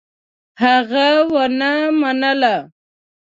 هغه ونه منله.